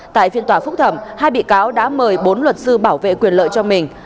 tại phiên tòa phúc thẩm hai bị cáo đã mời bốn luật sư bảo vệ quyền lợi cho mình